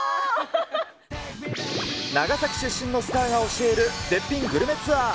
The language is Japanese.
長崎出身のスターが教える絶品グルメツアー。